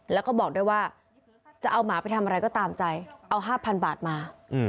แล้วก็บอกด้วยว่าจะเอาหมาไปทำอะไรก็ตามใจเอา๕๐๐๐บาทมา